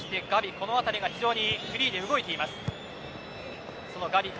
この辺りが非常にフリーで動いています。